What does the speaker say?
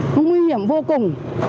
nó nguy hiểm vô cùng